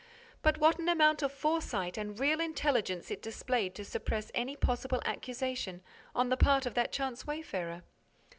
But what an amount of foresight and real intelligence it displayed to suppress any possible accusation on the part of that chance wayfarer!